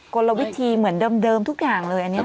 กลวิธีเหมือนเดิมทุกอย่างเลยอันนี้